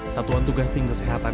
satuan tugas tingkat kesehatan